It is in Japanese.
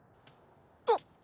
あっ！